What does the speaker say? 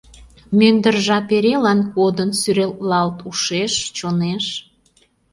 Мӱндыр жап эрелан кодын сӱретлалт ушеш, чонеш.